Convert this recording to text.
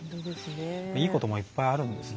いいこともいっぱいあるんですね。